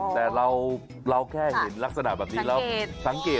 แต่เราแค่เห็นลักษณะแบบนี้แล้วสังเกต